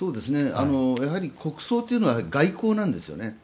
やはり国葬というのは外交なんですよね。